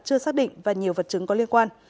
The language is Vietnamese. chưa xác định và nhiều vật chứng có liên quan